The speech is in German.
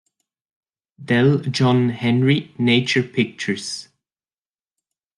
Dell, John Henry: "Nature Pictures.